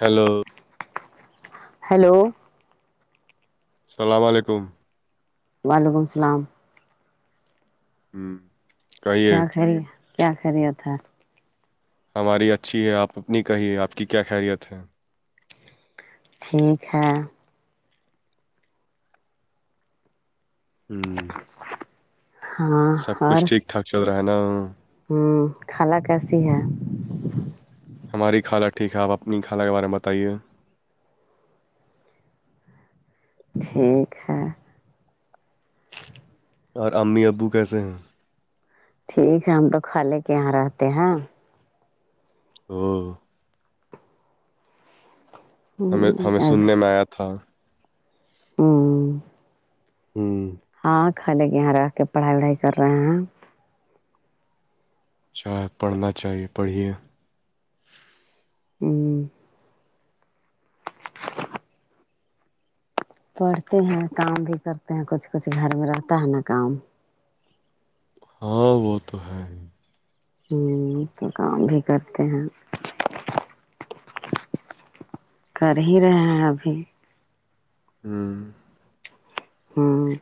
hello hello السلام علیکم وعلیکم السلام ہوں کیا خری کیا خے تھا ہماری اچھی ہے آپ اپنی کہیے آپ کی کیا خیریت ہے ٹھیک ہے ہوں ہاں سب اور کچھ ٹھیک ٹھاک چل رہا ہے نا ہ ہوں کالا کیسی ہے ہماری خالہ ٹھیک ہے آپ اپنی خالہ کے بارے میں بتائیے ٹھیک ہے اور امی ابو کیسے ہیں ٹھیک ہے ہم تو کھا لے کے یہاں رہتے ہیں ہو ہمیں ہوں، ہمیں اب سننے میں آیا تھا ہوں ہاں ہاں کھالے کے یہاں ر کے پڑھائی وڑھائی کر رہے ہیں اچ چاہ پڑھنا چاہیے پڑھیے ہوں پڑھتے ہیں کام بھی کرتے ہیں کچھ کچھ گھر میں رہتا ہے نا کام ہاں وہ تو ہے ہ تو کام بھی کرتے ہیں کر ہی رہے ہیں ابھی ہاں ہاں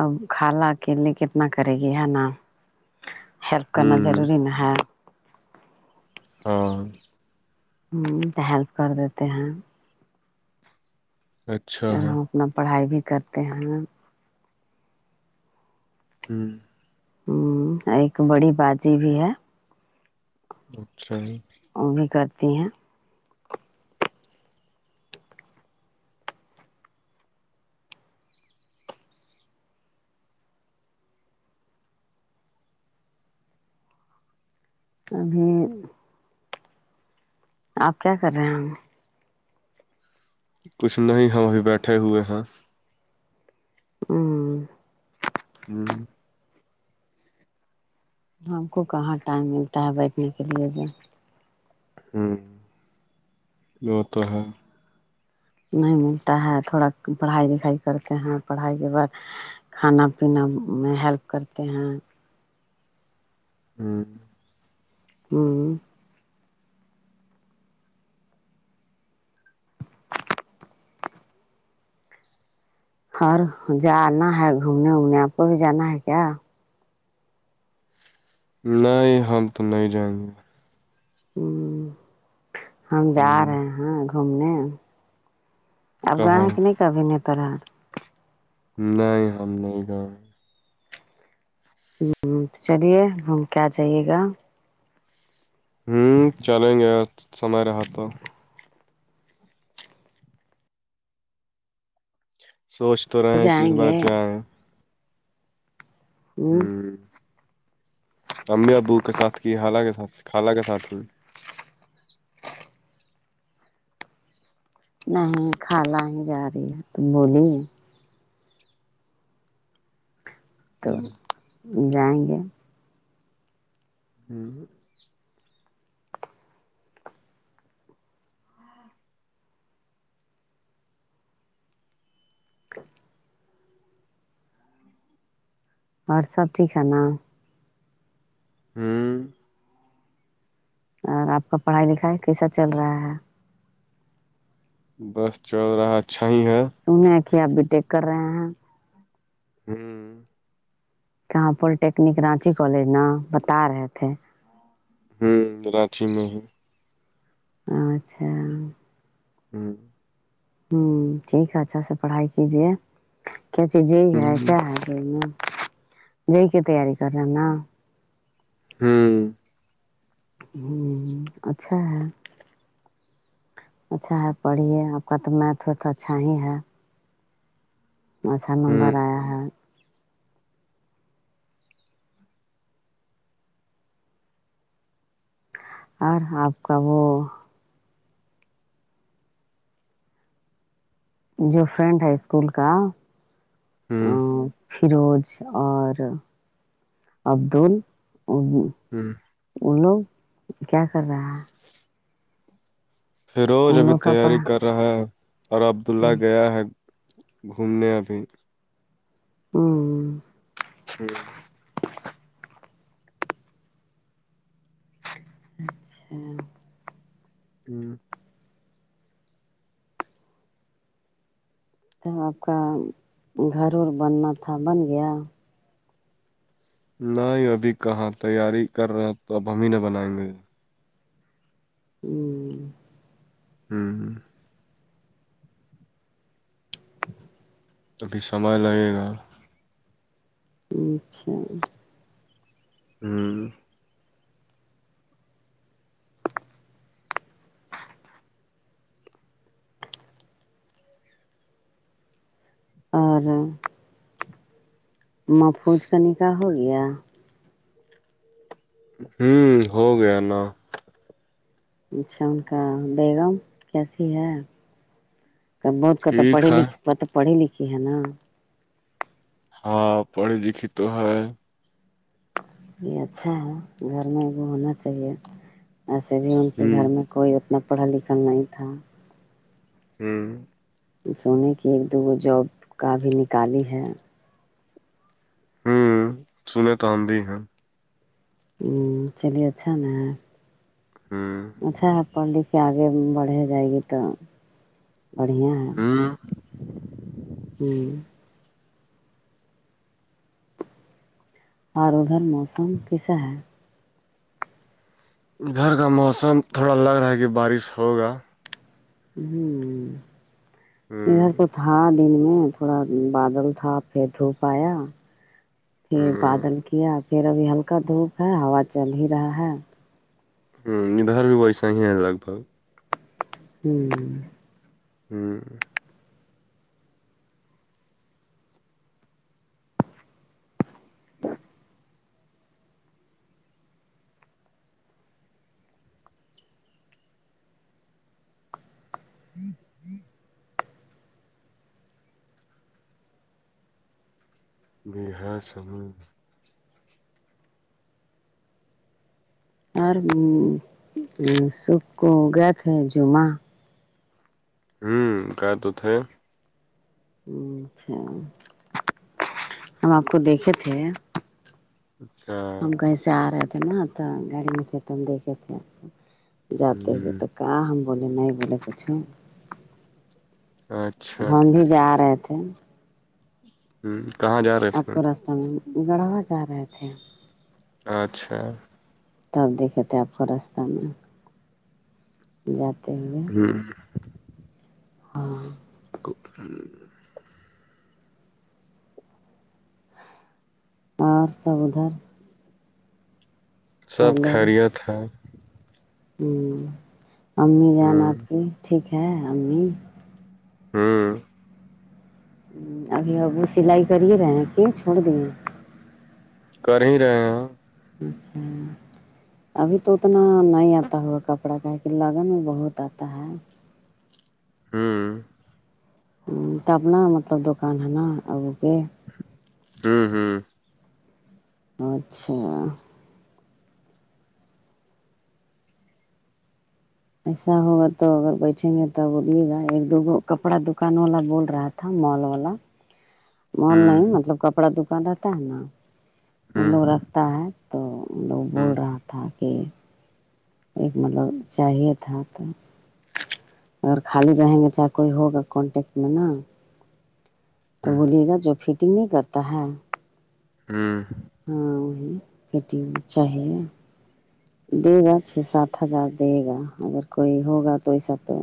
اب کالا ا کے لیے کتنا کرے گی ہے نا ہیلپ کرنا ہوں ضروری نا ہے ہاں ہ تو ہیلپ کر دیتے ہیں اچھا اور ہے ہم اپنا پڑھائی بھی کرتے ہیں ہوں ایک بڑی باجی بھی ہے ہاں ان کرتی ہیں وہ اپ کیا کر رہے ہیں کچھ نہیں ہوا ابھی بیٹھے ہوئے ہیں ہاں ہاں ہم کو کہاں ٹائم ملتا ہے ہاں وہ تو ہے نہیں ملتا ہے تھوڑا پڑھائی کرتے ہیں پڑھائی کے بعد کھانا پینا میں ہیلپ کرتے ہیں ہاں ہاں گھر جانا ہے میں اپ کو بھی جانا ہے کیا نہیں ہم تو نہیں جائیں گے ہم جا ہ رہے ہیں گھومنے کہاں افغانستان نہیں ہم نہیں جان چلیے ہم کیا چاہیے گا چلیں گے سمیر سوچ تو رہے ہیں کہ جائیں گے ہاں ہ امی ابو کے ساتھ کی خالہ کے ساتھ نہیں کھالا نہیں جاتی جائیں گے اور سب سے ہاں اپ کا پڑھا لکھا ہے کیسا چل رہا ہے بس ہو رہا اچھا ہی ہے ابھی ٹیک کر رہے ہیں کیا ہاں کہاں پر ٹیکنیک کراچی کالجنا بتا رہے تھے کراچی میں ہاں اچھا ہاں پڑھائی اچھا جی ہ کی ہم اچھا ہے اچھا اچھا ہ نمبر اپ کا وہ جو فرینڈ ہے اسکول کا ہ اور عبد ہاں ان لوگ کیا کر رہا ہے فروز ان ابھی لوگ کا تیاری پڑھا کر رہا ہے اور عبد اللہ ہوں گیا ہے گھومنے ابھی ہوں ہ اچھا ہوں تب آپ کا گھر اورور بننا تھا بن گیا نہیں ابھی کہاں تیاری کر رہا تو اب ہم ہی نہ بنائیں گے ہوں ہوں ہ ابھی سمع لگے گا اچھا ہوں اور محفوظ کا نکاح ہو گیا ہوں ہو گیا نا اچھا ان کا بیگم کیسی ہے بہت کت ٹھیک پڑے ل ہے پڑی لکھھی ہے نا ہاں پڑی لکھی تو ہے یہ اچھا ہے گھر میں ہونا چاہیے ایسے بھی ان کے گھر ہوں میں کوئی اتنا پڑھل لکھل نہیں تھا ہوں سونے کی ایک دوگو جب کا بھی نکالی ہے ہوں سنے تو آم بھی ہیں ہوں چلیے اچھا نا ہوں اچھا ہے پڑھ لکھ کے آگے بڑھے جائے گی تو بڑھیا ہے ہوں ہوں اور ادھر موسم کیسا ہے گھر کا موسم تھوڑا لگ رہا ہے کہ بارش ہوگا ہوں [unintelligible] تھا دن میں تھوڑا بادل تھا پھر دھوپ آیا پھر ہوں بادل کیا پھر ابھی ہلکا دھوپ ہے ہوا چل ہی رہا ہے ہوں اندار بھی بیسا ہ ہے لگ بگ ہوں ہاں ہوں ہوں بحار سامو ار سب کو گئے تھے جعہ ہوں ک تو تھے ہ اچھا ہم آپ کو دیکھے تھے اچھا ہم کہیں سے آ رہے تھے نا تو گاڑی میں تھے تو ہم دیکھے تھے جاتے ہوئے ہ تو کہ ہم بولے نہیں بولے کچھو اچھا ہم بھی جا رہے تھے ہوں کہاں جا رہے تھے ت گڑوا جا رہے تھے اچھا تب دیکتے آپ کو رستہ میں جاتے ہوئے ہوں ہاں [unintelligible] اور سب ادھر [inaudible] سب خیریت ہے ہوں امی ہ جان آپ کی ٹھیک ہے امی ہوں ابھی اببوں [inaudible] سلائی کرے رہے ہیں کہ چھوڑ دیے کر ہی رہے ہیں اچھا ابھی تو اتنا نہیں آتا ہوگا کپڑا کا کہ لگن میں بہت آتا ہے ہوں ہوں [inaudible] تب نا اپنا مطلب دکان ہے نا ابو کے ہوں ہوں اچھا ایسا ہوگا تو اگر بیٹھیں گے تب بولیےگا ایک دوگو کپڑا دکان والا بول رہا تھا [inaudible] مول والا ہ مول ہ نہیں مطلب کپڑا دکان رہتا ہے نا او ہ لوگ رکھتا ہے تو لوگ بول رہا تھا کہ ایک مطلب چاہیے تھا تو اگر خالی رہیں گے چاہے کوئی ہوگا کانٹیکٹ میں نا تو ہ بولیے گا جو فٹنگ نہیں کرتا ہے ہوں ہاں وہ پٹی چاہیے دے گا چھ سات ہزار دے گا اگر کوئی ہوگا تو ایسا تو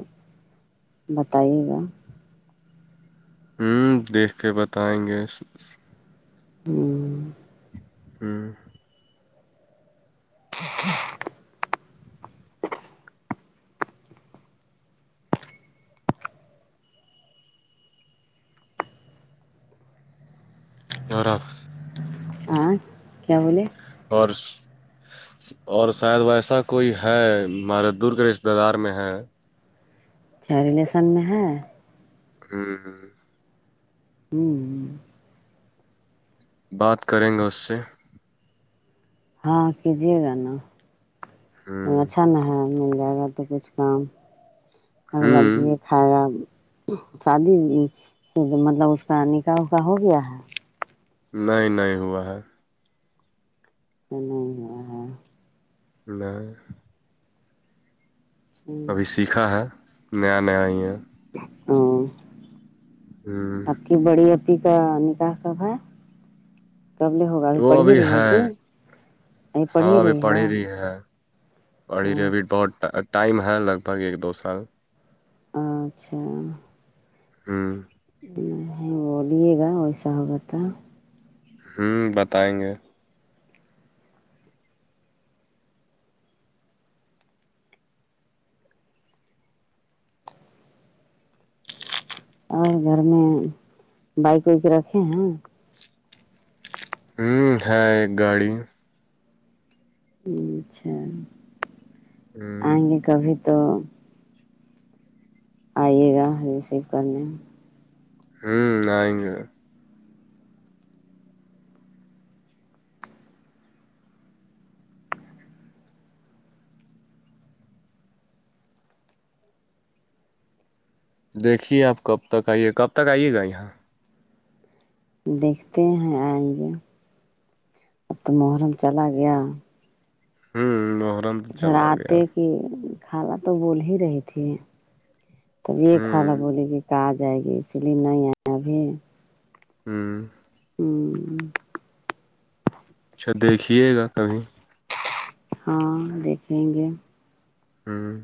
بتائیے گا ہوں دیکھ کے بتائیں گے ہوں ہوں [inaudible] اورخ [unintelligible] ااں کیا بولے اور اور شاید ویسا کوئی ہے ہمارے دور کے رشتہ دار میں ہے ریلیسن میں ہے ہوں ہوں ہوں [inaudible] بات کریں گے اس سے ہاں کیجیے گا نا ہ اچھا نہ ہے مل جائے گا تو کچھ کام اگلا ہ [inaudible] کھایا شادی مطلب اس کا نکاح اوکا ہو گیا ہے نہیں نہیں ہوا ہے س نہیں ہو [inaudible] نہی [inaudible] ابھی سیکھا ہے نیا نیا ہی ہے [inaudible] ہوں ہوں آپ کی بڑی اپپی کا نکاح کب ہے کب لے ہوگا ابھی پڑ ہی رہی ہے کہ اب پڑ ہی رہی ہے [inaudible] پڑی ابھی بہت ٹائم ہے لگ بھگ ایک دو سال اچھا ہوں بولیے گا ویسا ہوگا تھا ہوں بتائیں گے اور گھر میں بائک وائک رکھے ہیں ہمم ہے ایک گاڑی اچھا ہوں آئیں گے کبھی تو آئیے گا ریسیو کرنے ہمم آیںگے دیکھیے آپ کب تک آئیے کب تک آئیے گا یہاں دیکھتے ہیں آئیں گے اب تو محرم چلا گیا ہمم ہمم ادھر آتے کہ خالا تو بول ہی رہی تھی تبھی یہ خالہ ہوں بولی کہ آ جائے گی اسی لیے نہیں آئے ابھی ہمم ہمم اچھا دیکھیے گا کبہیں ہاں دیکھیں گے ہمم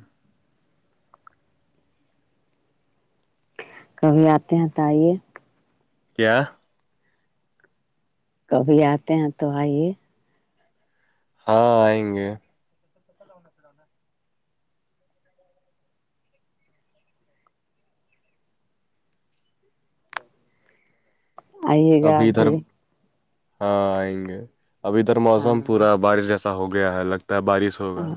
کبھی آتے ہیں تو آئیے کیا کبھی آتے ہیں تو آئیے ہاں آئیں گے آئیے گا ابھی ادھر ہاں آئیں گے ابھی ادھر موسم ہاں پورا بارش جیسا جیسا ہو گیا ہے لگتا ہے بارش ہوگا